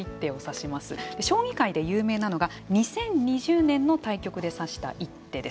将棋界で有名なのが２０２０年の対局で指した一手です。